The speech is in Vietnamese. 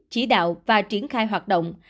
chỉ đạo và triển khai hoạt động